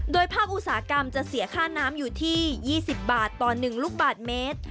โดยภาคอุตสาหกรรมจะเสียค่าน้ำอยู่ที่๒๐บาทต่อ๑ลูกบาทเมตร